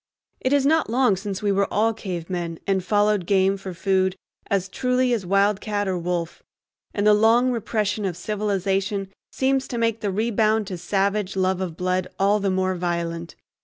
It is not long since we all were cavemen and followed game for food as truly as wildcat or wolf, and the long repression of civilization seems to make the rebound to savage love of blood all the more violent.